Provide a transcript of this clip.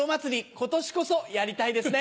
今年こそやりたいですね。